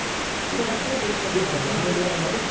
人が増えていった時代にうまくいったモデル。